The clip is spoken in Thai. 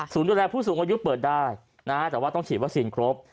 ดูแลผู้สูงอายุเปิดได้นะฮะแต่ว่าต้องฉีดวัคซีนครบ